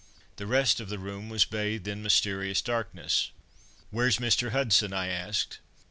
The rest of the room was bathed in mysterious darkness. "Where's Mr. Hudson?" I asked.